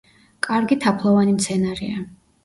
კარგი თაფლოვანი მცენარეა.